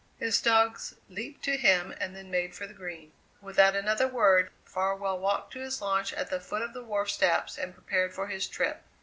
His dogs leaped to him and then made for the Green. Without another word Farwell walked to his launch at the foot of the wharf steps and prepared for his trip.